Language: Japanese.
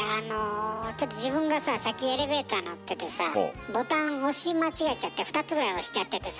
自分がさ先エレベーター乗っててさボタン押し間違えちゃって２つぐらい押しちゃっててさ。